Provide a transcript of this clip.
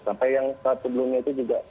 sampai yang saat sebelumnya itu juga